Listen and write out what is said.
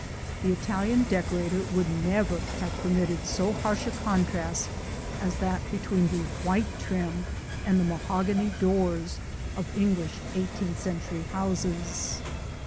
The Italian decorator would never have permitted so harsh a contrast as that between the white trim and the mahogany doors of English eighteenth century houses.